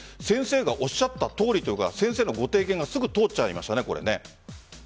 先生がおっしゃったとおりというか先生のご提言がすぐ通っちゃいましたね。